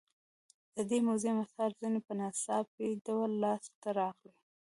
د دې موزیم اثار ځینې په ناڅاپي ډول لاس ته راغلي.